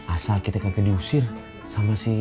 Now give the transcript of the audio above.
asal kita kagak diusir sama si